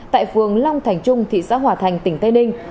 tại phường long thành trung thị xã hòa thành tỉnh tây ninh